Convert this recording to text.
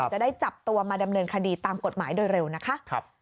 จะได้จับตัวมาดำเนินคดีตามกฎหมายโดยเร็วนะคะ